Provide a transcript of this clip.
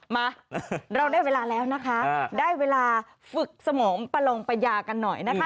มาเราได้เวลาแล้วนะคะได้เวลาฝึกสมองประลองปัญญากันหน่อยนะคะ